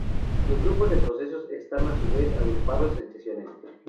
Los grupos de procesos están a su vez agrupados en sesiones.